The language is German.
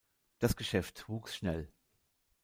Das Geschäft wuchs schnell.